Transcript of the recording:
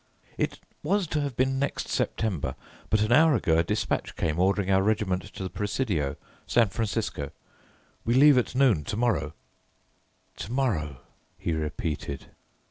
"It was to have been next September, but an hour ago a despatch came ordering our regiment to the Presidio, San Francisco. We leave at noon to morrow. To morrow," he repeated.